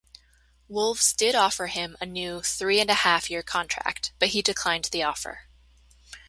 Wolves did offer him a new three-and-a-half year contract, but he declined the offer.